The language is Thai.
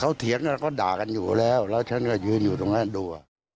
เขาเถียงกันแล้วก็ด่ากันอยู่แล้วแล้วฉันก็ยืนอยู่ตรงนั้นดู